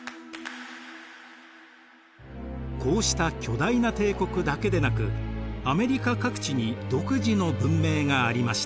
こうした巨大な帝国だけでなくアメリカ各地に独自の文明がありました。